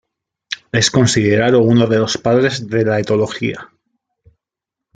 Es considerado uno de los padres de la etología.